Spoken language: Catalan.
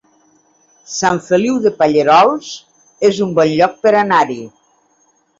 Sant Feliu de Pallerols es un bon lloc per anar-hi